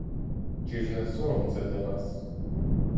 Чи ж не сором це для нас?